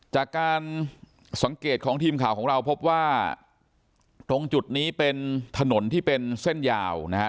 จากการสังเกตของทีมข่าวของเราพบว่าตรงจุดนี้เป็นถนนที่เป็นเส้นยาวนะครับ